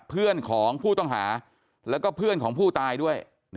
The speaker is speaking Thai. เพื่อนของผู้ต้องหาแล้วก็เพื่อนของผู้ตายด้วย